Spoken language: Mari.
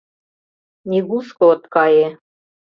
Нигушко от кае.